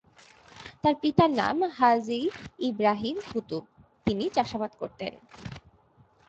তার পিতার নাম হাজী ইবরাহীম কুতুব; তিনি চাষাবাদ করতেন।